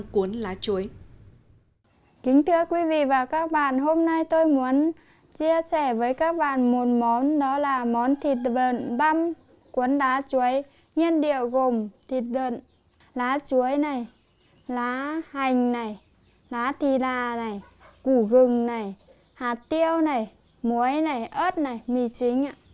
quấn đá chuối nhiên địa gồm thịt đợn lá chuối lá hành lá thị đà củ gừng hạt tiêu muối ớt mì chính